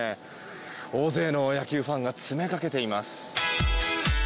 大勢の野球ファンが詰めかけています。